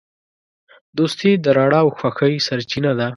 دوستي د رڼا او خوښۍ سرچینه ده.